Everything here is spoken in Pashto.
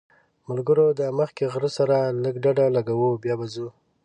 ملګرو دا مخکې غره سره لږ ډډه لګوو بیا به ځو.